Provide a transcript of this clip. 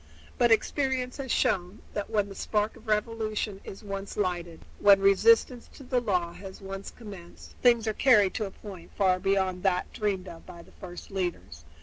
But experience has shown that when the spark of revolution is once lighted, when resistance to the law has once commenced, things are carried to a point far beyond that dreamed of by the first leaders.